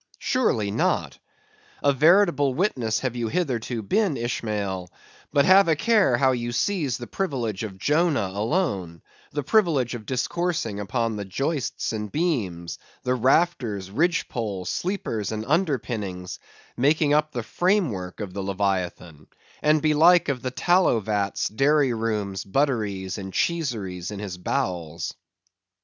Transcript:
Surely not. A veritable witness have you hitherto been, Ishmael; but have a care how you seize the privilege of Jonah alone; the privilege of discoursing upon the joists and beams; the rafters, ridge pole, sleepers, and under pinnings, making up the frame work of leviathan; and belike of the tallow vats, dairy rooms, butteries, and cheeseries in his bowels.